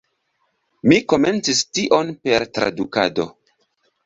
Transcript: Mi komencis tion per tradukado.